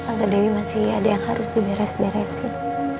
angga dewi masih ada yang harus diberes beresin